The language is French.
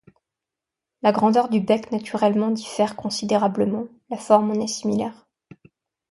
La grandeur du bec naturellement diffère considérablement, la forme en est similaire.